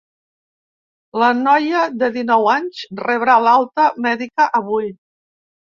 La noia de dinou anys rebrà l’alta mèdica avui.